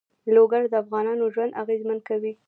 لوگر د افغانانو ژوند اغېزمن کوي.